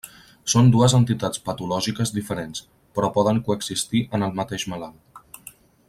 Són dues entitats patològiques diferents, però poden coexistir en el mateix malalt.